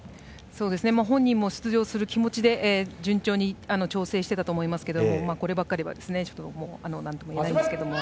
本人も出場する気持ちで順調に調整していたと思いますがこればかりはなんとも言えないんですけど。